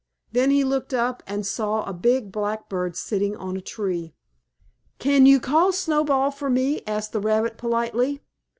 Then he looked up and he saw a big black bird sitting on a tree. "Can you call 'Snowball' for me?" asked the rabbit, politely.